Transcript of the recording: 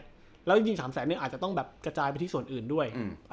แล้วยังจริงจริงสามแสนเนี้ยอาจจะต้องแบบกระจายไปที่ส่วนอื่นด้วยอืม